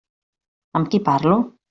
Amb qui parlo?